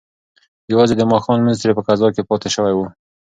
یوازې د ماښام لمونځ ترې په قضا کې پاتې شوی و.